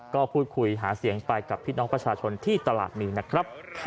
ก็พูดคุยหาเสียงไปกับพี่น้องประชาชนที่ตลาดนี้นะครับ